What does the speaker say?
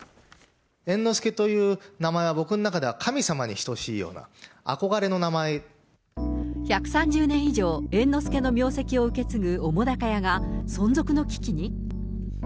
猿之助という名前は、僕の中では神様に等しいような、憧れの１３０年以上、猿之助の名跡を受け継ぐ澤瀉屋が、存続の危機に？